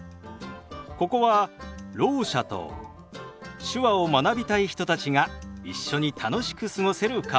ここはろう者と手話を学びたい人たちが一緒に楽しく過ごせるカフェ。